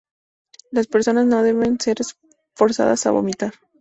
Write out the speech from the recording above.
Las personas no deben ser forzadas a vomitar.